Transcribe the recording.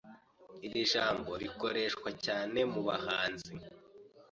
Iri jambo rikoreshwa cyane mu bahanzi